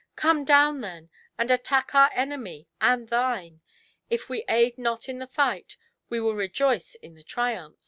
Come down, then, and attack our enemy and thine ; if we aid not in the fight, we wiU rejoice in the triumph.